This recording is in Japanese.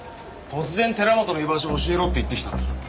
突然寺本の居場所を教えろって言ってきたんだ。